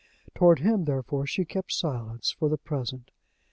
Toward him, therefore, she kept silence for the present.